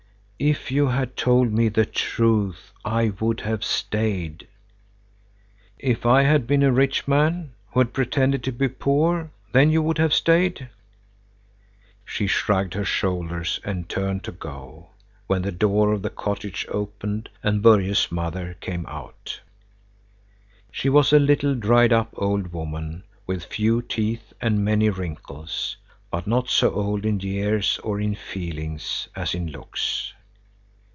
"If you had told me the truth, I would have stayed." "If I had been a rich man, who had pretended to be poor, then you would have stayed." She shrugged her shoulders and turned to go, when the door of the cottage opened and Börje's mother came out. She was a little, dried up old woman with few teeth and many wrinkles, but not so old in years or in feelings as in looks.